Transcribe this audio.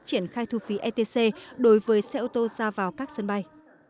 triển khai thu phí etc đối với xe ô tô ra vào các sân bay